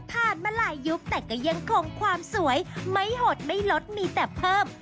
มาหลายยุคแต่ก็ยังคงความสวยไม่หดไม่ลดมีแต่เพิ่ม